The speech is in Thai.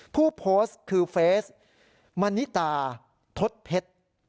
ผู้โพสต์คือเฟสมณิตาทศเพชร